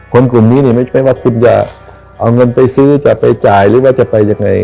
กลุ่มนี้เนี่ยไม่ใช่ว่าคุณจะเอาเงินไปซื้อจะไปจ่ายหรือว่าจะไปยังไง